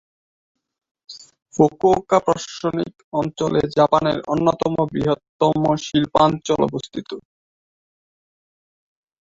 Fukuoka প্রশাসনিক অঞ্চলে জাপানের অন্যতম বৃহত্তম শিল্পাঞ্চল অবস্থিত।